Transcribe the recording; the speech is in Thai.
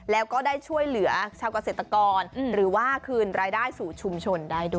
แล้วก็ได้ช่วยเหลือชาวเกษตรกรหรือว่าคืนรายได้สู่ชุมชนได้ด้วย